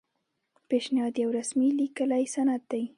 پیشنهاد یو رسمي لیکلی سند دی.